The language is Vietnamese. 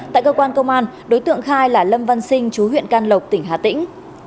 tại cơ quan công an đối tượng khai là lâm văn sinh chú huyện can lộc tỉnh hà tĩnh